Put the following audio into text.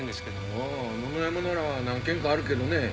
ああ野々山なら何軒かあるけどね。